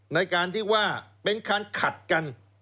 ในการที่ว่าเป็นการขัดกัน